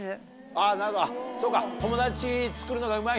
あなるほどそうか。